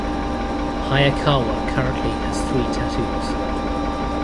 Hayakawa currently has three tattoos.